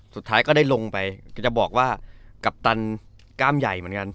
สุดท้ายก็ได้ลงไปจะบอกว่ากัปตันกล้ามใหญ่เหมือนกัน